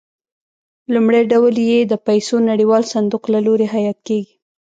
لومړی ډول یې د پیسو نړیوال صندوق له لوري حیات کېږي.